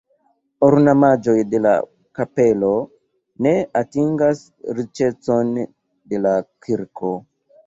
Ornamaĵoj de la kapelo ne atingas riĉecon de la kirko.